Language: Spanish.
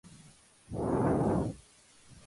La causa del accidente aun permanece bajo estudio.